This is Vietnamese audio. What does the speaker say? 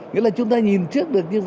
nghĩa là chúng ta nhìn trước được